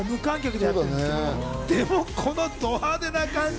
でもこのド派手な感じ。